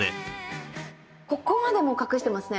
ここまでもう隠していますね